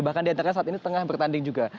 bahkan diantara saat ini tengah bertanding juga